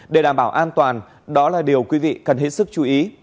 để đảm bảo an toàn đó là điều quý vị cần hết sức chú ý